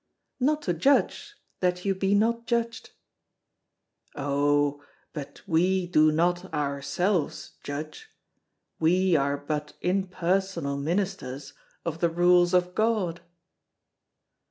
"Not to judge, that ye be not judged." "Oh! but we do not, ourselves, judge; we are but impersonal ministers of the rules of God."